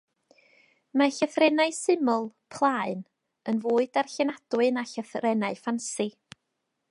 Mae llythrennau syml, plaen, yn fwy darllenadwy na llythrennau ffansi.